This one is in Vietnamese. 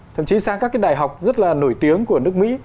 thậm chí sang các cái đại học rất là nổi tiếng của nước mỹ